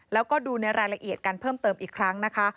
แล้วก็ดูในรายละเอียดกันเพิ่มเติมอีกครั้งนะคะ